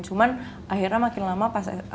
cuman akhirnya makin lama pas